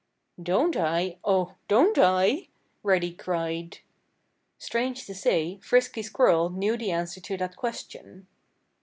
"Don't I? Oh, don't I?" Reddy cried. Strange to say Frisky Squirrel knew the answer to that question.